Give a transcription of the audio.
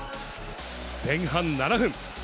前半７分。